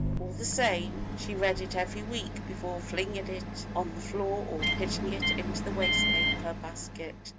All the same, she read it every week before flinging it on the floor or pitching it into a wastepaper basket.